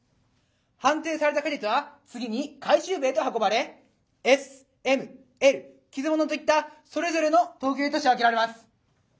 判定された果実は次に回収部へと運ばれＳＭＬ傷モノといったそれぞれの等級として分けられます。